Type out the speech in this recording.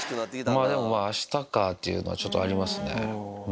まあでも、あしたかというのはちょっとありますね。